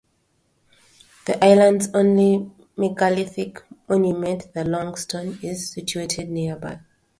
The Island's only megalithic monument, the Longstone is situated nearby.